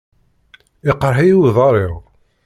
Iqerḥ-iyi uḍar-iw.